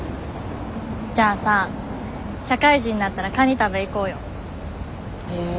じゃあさ社会人になったらカニ食べ行こうよ。え。